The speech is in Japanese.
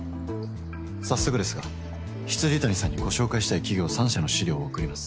早速ですが未谷さんにご紹介したい企業三社の資料を送ります」。